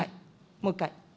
もう一回。